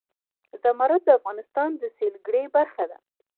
زمرد د افغانستان د سیلګرۍ برخه ده.